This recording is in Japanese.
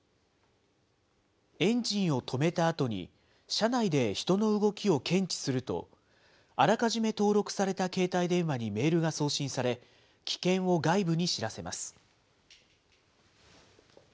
エンジンを止めたあとに、車内で人の動きを検知すると、あらかじめ登録された携帯電話にメールが送信され、危険を外部に知らせます。